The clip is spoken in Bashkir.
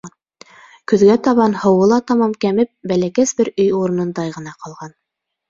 Көҙгә табан һыуы ла тамам кәмеп, бәләкәс бер өй урынындай ғына ҡалған.